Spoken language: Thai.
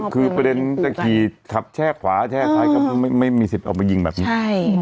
คือประเด็นจะขี่ขับแช่ขวาแช่ซ้ายก็ไม่มีสิทธิ์ออกมายิงแบบนี้ใช่